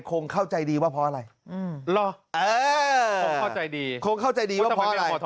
คงเข้าใจดีว่าเพราะอะไรหรอคงเข้าใจดีว่าเพราะอะไร